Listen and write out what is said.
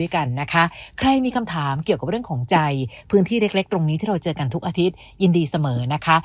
กันนะคะใครมีคำถามเกี่ยวกับเรื่องของใจพื้นที่เล็กเล็กตรงนี้ที่เราเจอกันทุกอาทิตยินดีเสมอนะคะ